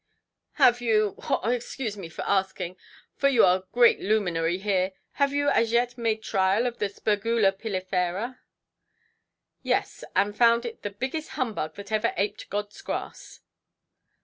"Have you—haw! excuse my asking, for you are a great luminary here; have you as yet made trial of the Spergula pilifera"? "Yes; and found it the biggest humbug that ever aped Godʼs grass".